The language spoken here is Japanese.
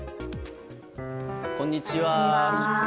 こんにちは。